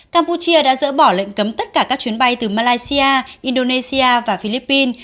campuchia đã dỡ bỏ lệnh cấm tất cả các chuyến bay từ malaysia indonesia và philippines